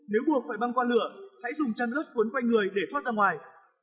nếu buộc phải băng qua lửa hãy dùng chăn gớt cuốn quanh người để thoát ra ngoài